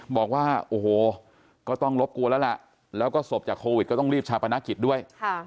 บอกว่าโอ้โหก็ต้องรบกวนแล้วล่ะแล้วก็ศพจากโควิดก็ต้องรีบชาปนกิจด้วย